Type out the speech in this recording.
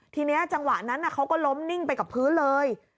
ทีนี้จังหวะนั้นเขาก็ล้มนิ่งไปกับพื้นเลย